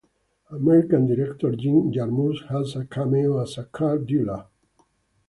American director Jim Jarmusch has a cameo as a car dealer.